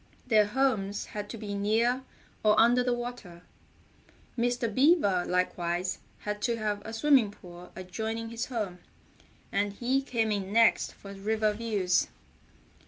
Their homes had to be near or under the water. Mr. Beaver likewise had to have a swimming pool adjoining his home, and he came in next for river views.